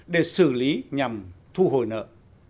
để xử lý nhằm thu hồi nợ